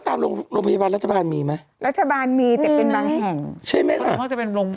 ตามโรงพยาบาลรัฐบาลมีไหมรัฐบาลมีแต่เป็นบางแห่งใช่ไหมล่ะ